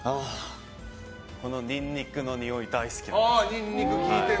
このニンニクのにおい大好きです。